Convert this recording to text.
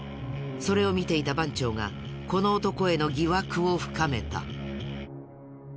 それを見ていた番長がこの男への疑惑を深めた。